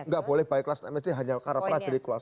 gak boleh balik kelas enam sd hanya karena pernah jadi kelas satu